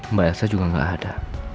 mbak elsa juga nggak ada